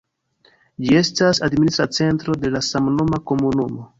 Ĝi estas administra centro de la samnoma komunumo.